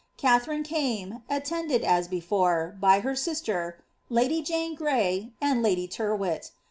Katharine came, attended, as before, bv her sister, ladv Jane Grav, and ladv Tvr wliit.